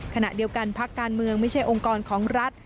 ขณะเดียวกันพักการเมืองไม่ใช่องค์กรของรัฐ